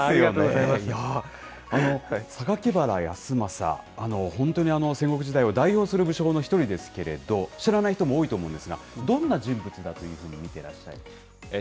いやぁ、榊原康政、本当に戦国時代を代表する武将の一人ですけど、知らない人も多いと思うんですが、どんな人物だというふうに見てらっしゃる？